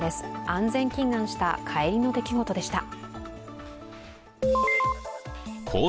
安全祈願した帰りの出来事でした。